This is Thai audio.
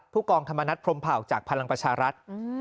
ผู้กองธรรมนัฐพรมเผ่าจากพลังประชารัฐ